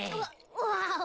ワオ！